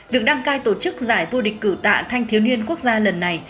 việc đăng cai tổ chức giải vô địch cử tạ thanh thiếu niên quốc gia lần này